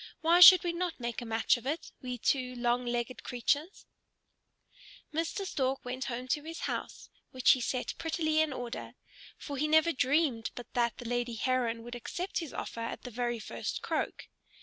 Why should we not make a match of it, we two long legged creatures?" Mr. Stork went home to his house, which he set prettily in order: for he never dreamed but that the lady Heron would accept his offer at the very first croak.